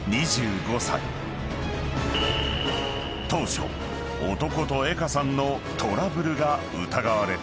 ［当初男と江歌さんのトラブルが疑われた］